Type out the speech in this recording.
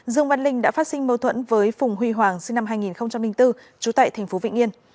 dương văn linh đã phát sinh mâu thuẫn với phùng huy hoàng sinh năm hai nghìn bốn trú tại tp vĩnh yên